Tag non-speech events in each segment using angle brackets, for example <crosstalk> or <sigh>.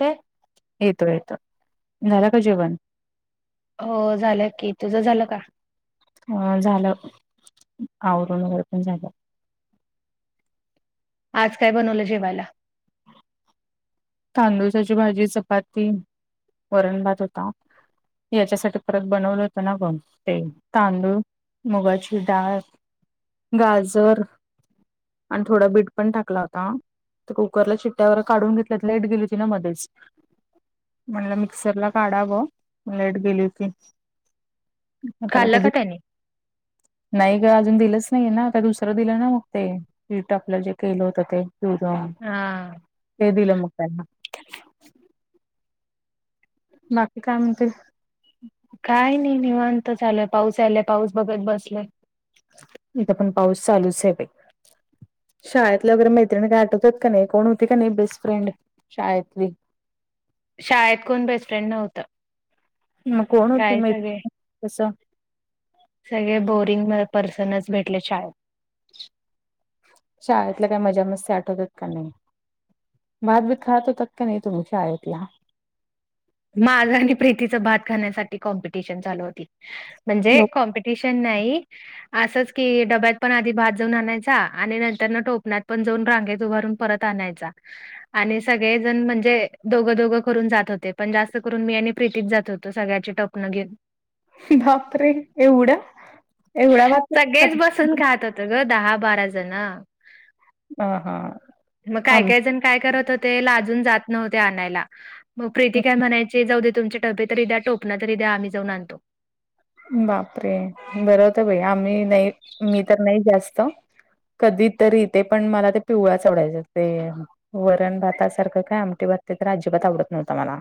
हो. येतो येतो नलक जीवन हो झालं की तुझ झालं का? अ झालं आवरून वगैरे पण झालं. आज काय बनवलं जेवायला तांदुसाची भाजी चपाती वरण भात होता. याच्यासाठी परत बनवलं होतं ना बण ते तांदूळ मुगाची डाळ गाजर आणि थोडा बीट पण टाकला होता कुकरला चिट्ट्यावर काढून घेतला. त्यात लेट गेली होती ना मध्येच म्हणलं मिक्सर ला काढावं लाईट गेली होती. खाल्लं का <unintelligible> त्यानी नाही ग अजून दिलंच नाही ना का दुसरं दिलं ना मग तेट आपलं जे केलं होतं ते त हा तेदला म का? बाकी काय म्हणते. काय नाही निवांत झाचालय पाऊस आलाय पाऊस बघत बसला. इथं पण पाऊस चालूच आहे बा. शाळेतल्या वगैरे मैत्रिणी काही आठवतत का नाही कोण होती का नाही बेस्ट फ्रेंड शाळेतली शाळेत कोण बेस्टफ्रेंड नव्हतं. मग कोण होती काय म सगळे तसं. सगळे बोरिंग पर्सनच भेटले शाळेत शाळेतल्या काही मजा मस्ती आठवतात का नाही. बाात बीत खाो तक का नाही त मुे आय कि माझ प्री भात खाण्यासाठी कॉमपटिशन चालू होती म्हण क चेनई असंच की डब्यात पण आधी भात जाऊन आणायचा आणि नंतरन टोपण्यातत पण जाऊन रांगेत उभारून परत य आणि सगळे जण म्हणजे दोघ दोघं करून जात होते. पण जास्त करून मी आणि प्रीतीत जात होतो सगळ्याचे टपनं घेऊन. बाप रे एवढं. सगळेच बसून खात होत ग दहा बारा जण. अ हा मग काय आम काय जण काय करत होते अजून जात नव्हते आणायला मग प्रीती काय म्हणायचे जाऊ दे तुमचे टबे तरी द्या टोपणा तरी द्याम्ही जाऊन आणतो. बापरे बर होत भाई आम्ही नाही मी तर नाही जास्त कधी तरी इथे पण मला ते पिवळाच आवडायचं ते वरण भातासारखं काय आमटे भात ते तर अजिबात आवडत नव्हता मला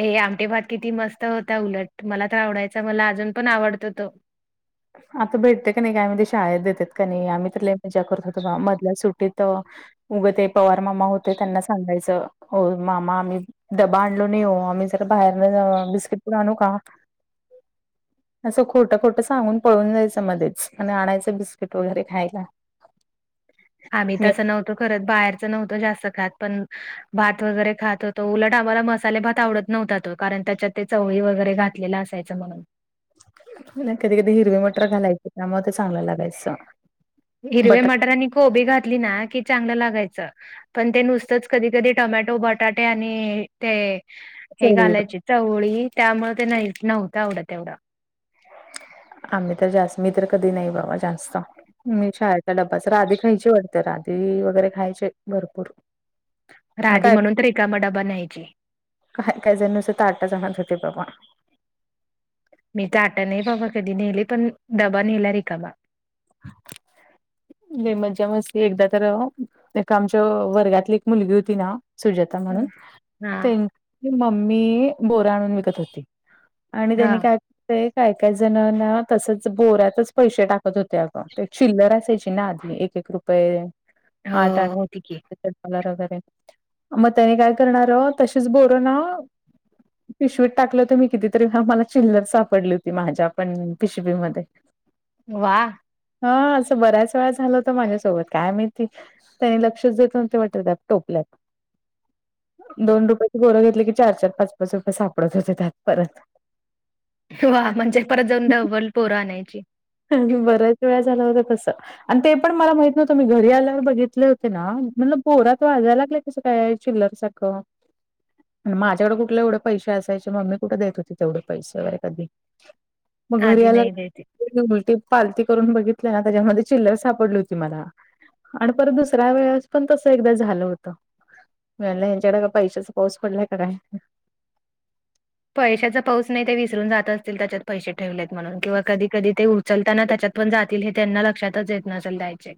ए आमटे भात किती मस्त होता उलट मला तर आवडायचा मला अजून पण आवडतो तो आता भेटते का नाही का आम्ही ते शाळेत देतेत का नाही आम्ही त ल मजा करत होतो बा मधल्या सुटीत उग ते पवार मामा होते त्यांना सांगायचं, हो मामा आम्ही डबा आणलो नाही हो आम्ही जरा बाहेरन बिस्किट प आणू का? असं खोटं खोटं सांगून पळून जायचं मध्येच आणिण आणायचं बिस्किट वगैरे खायला. आम्ही मी त्याचं नव खर बाहेरच नव्हतं जास्त खात. पण भात वगैरे खात होतो, उलट आम्हाला मसाले भात आवडत. नव्हता तो कारण त्याच्यात ते चवळी वगैरे घातलेला असायचं म्हणून. कधी कधी हिरवी मटर घालायचे त्यामुळे ते चांगलं लागायचं. हिरवे मटर आणि कोबी घातली ना की चांगलं लागायचं. पण ते नुसतच कधी कधी टो मॅटो बटाटे आणि ते हे बटाटे घालायचे चवळी त्यामुळं ते नाई, नव्हतं एवढं. आम्ही तर जास, मी तर कधी नाही बाबा जास्त मी शाळेचा डब्बाच. राधी खायची वाटतं, राधी वगैरे खायचे भरपूर. आणि राधी काय म्हणून तर रिकामा डबा न्यायची. <unintelligible> काय काही जण नुसते ताटघेऊन जात होते बाबा. <unintelligible> मी ताट नाही बाबा कधी नेले, पण डबा नेला रिकामा. <inaudible> <unintelligible> लई मज्जा मस्ती. एकदा तर एक आमच्या वर्गातली एक मुलगी हुती ना सुजाता म्हणून हं. हा त्यांची मम्मी बोर आणून विकत होती. आणि हा त्यांनी काय काय जणांना तसच बोरातच पैसे टाकत होते. अगं. ते चिल्लर असायची ना आधी, एक एक रुपये. हो आठ आठ होती की वगैरे मग त्याने काय करणार तशीच बोर ना पिशवीत टाकलं होतं मी कितीतरी, मला चिल्लर सापडली होती माझ्या पण पिशवीमध्ये. वा. <unintelligible> हा. असं बऱ्याच वेळा झालं होत माझ्यासोबत काय माहिती त्यानी लक्षच देत न्हवते वाटत त्या टोपल्यात. दोन रुपयची बोरं घेतले की चार चार, पाच पाच रुपये सापडत होते त्यात परत. वा म्हणजे परत जाऊन डबल बोरं आणयची. <unintelligible> बऱ्याच वेळा झालं होतं तस. <unintelligible> आणि ते पण मला माहित नव्हतं, मी घरी आल्यावर बघितले होते ना म्हणल बोरात वाजायला लागलंय तस काय हाय, चिल्लर सारखं? <unintelligible> माझ्याकडे कुठलं एवढ पैसे असायचे, मम्मी कुठं देत होती तेवढ पैसे वगैरे कधी. मग घरी आधी आला नाही <unintelligible> द्यायची. उलटी पालती करून बघितल्या ना त्याच्यामध्ये चिल्लर सापडली होती मला. आणि परत दुसऱ्या वेळेस पण तसं एकदा झालं होतं. म्हणलं यांच्याकडे का पैशाच पाऊस पडलाय का काय? <unintelligible> पैशाचा पाऊस नाही ते विसरून जात असतील त्याच्यात पैसे ठेवलेत म्हणून, किंवा कधी कधी ते उ चलताना त्याच्यात पण जातील हे त्यांना लक्षातच येत नसलं द्यायचे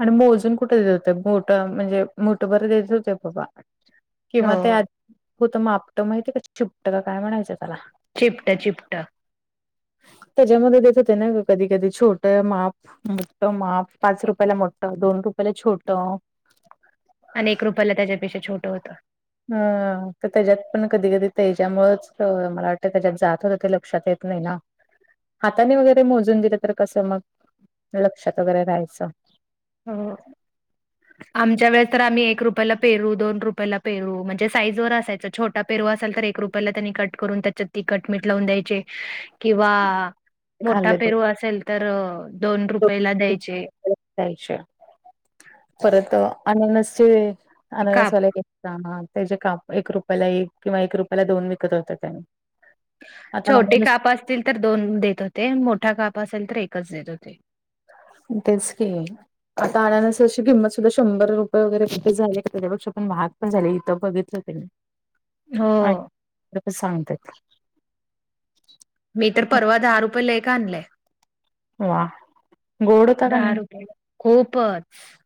आणि मोजून कुठे देत होते, मुठ म्हणजे मुठ बर देत होते बाबा. हो. किंवा ते आधी होत मापट माहितीय का, चिपट का काय म्हणायचं त्याला? चिपट, चिपट. <unintelligible> त्याच्यामध्ये देत होते ना कधी कधी, छोट माप, मॉथ माप. पाच रुपयाला मोठं, दोन रुपयाला छोटं. <unintelligible> आणि एक रुपायाला त्याच्यापेक्षा छोटं होतं. <unintelligible> ह तर त्याच्यात पण कधी कधी त्याच्यामुळेच मला वाटतं त्याच्यात जात होत ते लक्षात येत त नाही ना. <unintelligible> हाताने वगैरे मोजून दिलं तर कसं मग, लक्षात वगैरे राहायचं. हू. <unintelligible> <unintelligible> <unintelligible> आमच्या वेळे तर आम्ही एक रुपयाला पेरू, दोन रुपयाला पेरू म्हणजे साईज वर असायचं छोट त पेरूवा असाल तर एक रुपयाला त्यांनी कट करून त्याच्यात तिकटमीठ लावून द्यायचे. त्या किंवा मोठा खाल्ले पेरू असेल तर दोन रुपयला द्यायचे. य द्यायचे परत अननसचे का अननसवाले त्याचे काप एक रुपयाला एक किंवा एक रुपयाला दोन विकत होत त्याने. छोटे काप असतील तर दोन देत होते मोठा काप असेल तर एकच देत होते़. तेस की <unintelligible> आता आणण्यान अशी किंमत सुद्धा शंभर रुपये वगैरे किती झाली का त्याच्यापेक्ष पण महाग पण झाले इथं बघितलं ते आ.. हो सांगतेत मी तर परवा दहा रुपये ला एक आणलेय. वा.. गोड होता का दहा नाही रुपयला... खूप. च..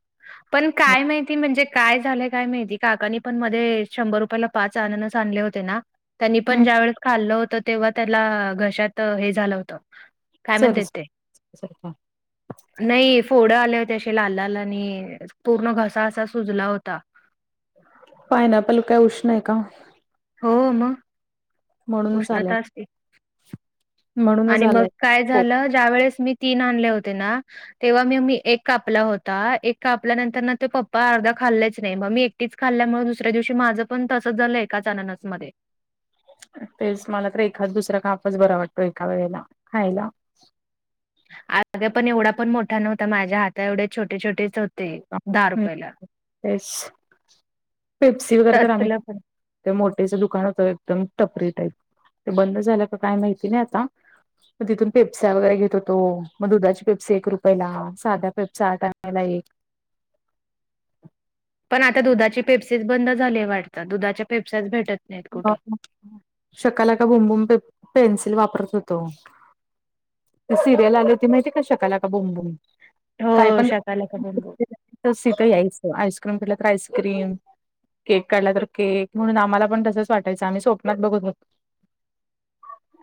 पण काय माहिती म्हणजे काय झालंय काय माहिती काकानी पण मध्ये.. शंभर रुपयाला पाच आणनणच आणले होते ना त्यांनी पण ज्या वेळेस खाल्लं होत तेव्हा त्याला.. घशात हे झालं होत. सरस.. स.. नाही.. फोड आल्या होत्या असे लाल लालनी पूर्ण घसा असा सुजला होता. पायनॅपल काय उष्ण आहे का? हो. मग, म्हणूनच आलंय उष्णता असते म्हणूनच आणि मग आलंय काय हो झालं ज्या वेळेस मी तीन आणले होते ना तेव्हा मी मी एक कापला होता एक कापल्यानंतर ना ते पप्पा अर्धा खाल्लेच नाही मग मी ीच खाल्ल्यामुळे दुसऱ्या दिवशी माझं पण तसं झालं एकाच अननसमध्ये तेच मला तर एखाद दुसरा कापच बरा वाटतो एका वेळेला खायला. अग पण एवढा पण मोठा नव्हता माझ्या हाता एवढे छोटे छोटेच होते दहा रुपयाला. तेच.. पेप्सी वगैरे तर आम्ही तसलं पण. ते मोठेचं दुकान होतं एकदम टपरी टाईप ते बंद झाल्या का काय माहिती नाही आता? मग तिथून पेपसा्या वगैरे घेत होतो मग दुधाचे पेपसे एक रुपयाला साध्या पेपसा आठ आण्यला एक पण आता दुधाची पेपसीस बंद झाले वाटतात दुधाच्या पेफस्याच भेटत नाहीत कुठं. शकाला का भुमबुम पे.. पेन्सिल वापरत होतो. ते सिरियल आल होती माहिती का शकालका बुम बुम काय हो, पण शकाला का बंबू. तसथंस आईस्क्रीम काढलं तर आईस्क्रीम केक काढला तर केक म्हणून आम्हाला पणस वाटयचं आम्ही स्वप्त बघू ब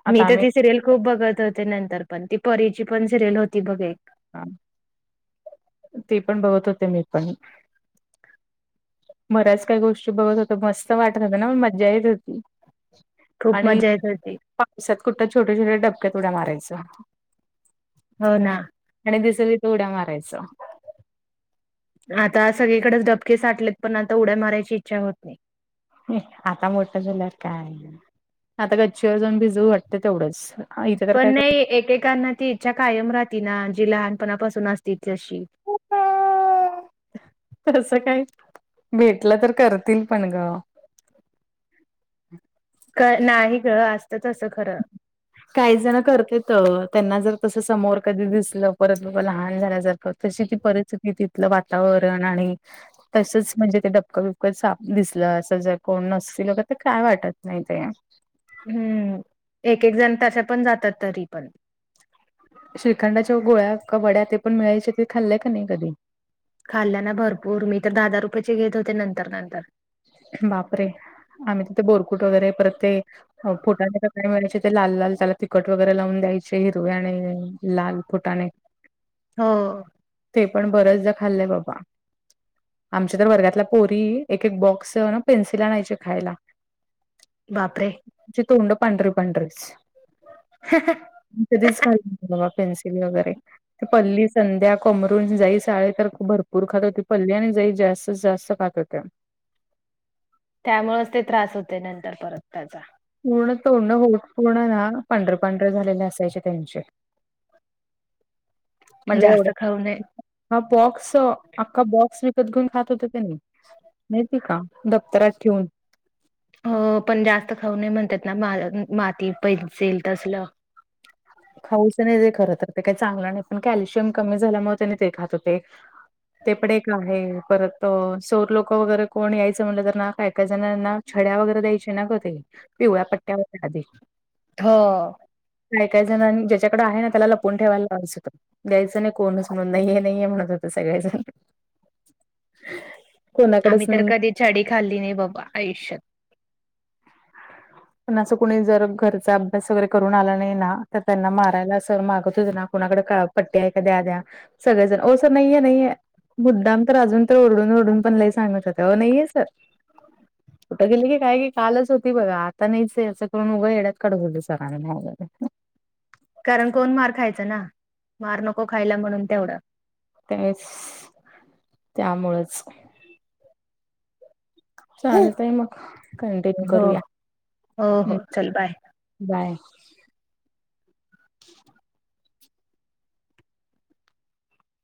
मी तर ती सिरियल खूप बघत होते नंतर पण, ती परीची पण सिरियल होती बघे एक हा.. ते पण बघत होते मी पण बरा्याच काही गोष्टी बघत होत मस्त वाटत होत ना मज्जा येत होती खूप आणि मजा येत होती. पावसात कुठं छोट्या- छोट्या डपक्यात उड्या मारायं. हो.. ना आणि दिसली त उड्या मारायच आता सगळीकडेच डबके साठलेत पण आता उड्या मारायची इच्छा होत नाही. आता मोठं झाल्यार काय.. आता गच्छिवर जाऊन भिजू वाटत तेवढंच. इथं तर पण काय नाही एकेकांना ती इच्छा कायम राहती ना जी लहानपणापासून असतीशी उ.. तस काय.. भेटलं तर करतील पण ग नाही ग.. असत तसं खरं काही जण करते.. त त्यांना जर तस समोर कधी दिसलं परत लहान झाल्या जारख तशी ती परत की तिथलं वातावरण आणि तसंच म्हणजे ते डपक बिपकत सा दिसलं असं जर कोण नसतील का तर काय वाटत नाही ते हम्म.. एक एक जण तस पण जातात तरी पण श्रीखंडाच्या गोळ्या कवा वड्या ते पण मिळायच्या ते खाल्लेय का नाही कधी? खाल्ल्या ना भरपूर मी तर दहा दहा रुपयाेचे घेत होते नंतर नंतर बापरे!.. आम्ही तिथे बोरकुट वगैरे परत. ते फुटाणे तर काय मिळायचे ते लाल लाल त्याला तिखट वगैरे लावून द्यायचे हिरवे आणि लाल फुटाणे <inaudible> हो. ते पण बरचदा खाल्लंय बाबा आमच्या तर वर्गातला पोरी. एक बॉक्स ना पेन्सिला आणयचे खायला. बापरे माजी तोंड पंढरी पंढरीच. ह <unintelligible> मी कधीचा खाल्ली नाही बाबा पेन्सिल वगैरे. पल्ली संध्या कोमरून जई साळे तर भरपूर खात होती पल्ली आणि जई जास्तीत जास्त खात सत्यम <unintelligible> त्यामुळेच ते त्रास होते नंतर परत त्याचा. पूर्ण तोंडं होत पूर्ण ना पांढरे पांढरे झालेले असायचे त्यांचे. म्हटलं जास्त एवढं खाऊ नये. हा बॉक्स अख्खा बॉक्स विकत घेऊन खात होत त्यानी. माहितीये का दप्तरात ठेऊन हो पण जास्त खाऊ नये म्हणतात ना माती पन्सिल तसलं खाऊच नाही जे खर तर ते काही चांगलं नाही पण कॅल्शियम कमी झाल्यामुळे ते खात हो ते. ते पडे का आहे परत तर सौर लोक वगैरे कोण यायचं म्हटलं तर ना का एका जणांना छड्या वगैरे द्यायचे ना का ते. पिवळ्या पट्ट्यावर आधी. हो काही जणां ज्याच्याकडे आहे ना त्या लपवून ठेवायला लावत होतं द्यायचं नाही कोणच मग नाही हे नाहीये म्हणत होता सगळ्याच आम्ही तर कधी छडी खाल्ली नाही बाबा आयुष्यात. पण असं कुणी जर घरचा अभ्यास वगैरे करून आला नाही ना तर त्यांना मारायला असं मागत होते ना कुणाकडे पट्ट्या आहे का द्या द्या सगळेजण ओ सर नाहीये नाहीये मुद्दाम तर अजून तर ओरडून ओरडून पण लयी सांगत होते नाहीये सर. होत गेलं की काय की कालच होती बघा आ. नाही असे करून उगं येड्यात काडत होते सरांना कारण कोण मार खायचा ना मार नको खायला म्हणून तेवढं त्यावेळेस त्यामुळच चालतय मग कंटिन्यू हो करूया हो हो चल बाय बाय. <inaudible>